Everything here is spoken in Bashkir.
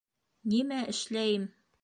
Нимә эшләйем?